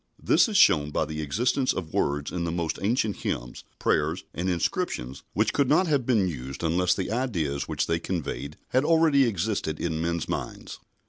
This is shown by the existence of words in the most ancient hymns, prayers, and inscriptions which could not have been used unless the ideas which they conveyed had already existed in men's minds.